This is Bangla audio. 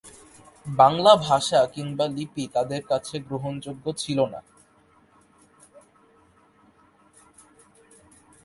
বাংলা ভাষা কিংবা লিপি তাদের কাছে গ্রহণযোগ্য ছিল না।